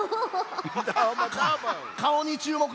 かおにちゅうもくじゃよ。